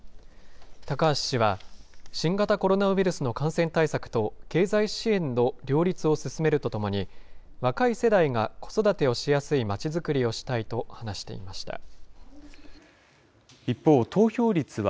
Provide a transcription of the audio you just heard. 高橋氏は、新型コロナウイルスの感染対策と経済支援の両立を進めるとともに、若い世代が子育てをしやすいまちづくりをしたいと話していました。